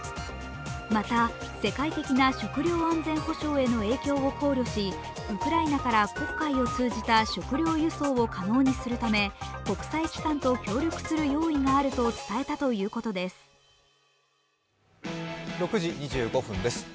また、世界的な食料安全保障への影響を考慮し、ウクライナから黒海を通じた食料輸送を可能にするため国際機関と協力する用意があると伝えたということです。